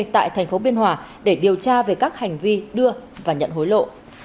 tại tp biên hòa để điều tra về các hành vi đưa và nhận hối lộ